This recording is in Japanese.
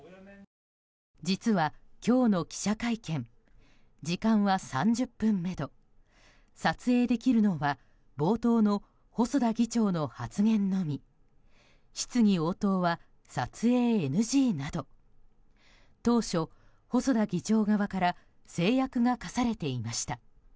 実は、今日の記者会見時間は３０分めど撮影できるのは冒頭の細田議長の発言のみ質疑応答は撮影ＮＧなど当初、細田議長側から制約が課されていました。